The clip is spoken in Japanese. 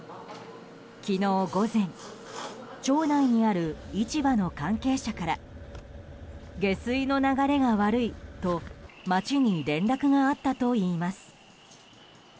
昨日午前町内にある市場の関係者から下水の流れが悪いと町に連絡があったといいます。